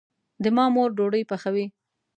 د ما مور ډوډي پخوي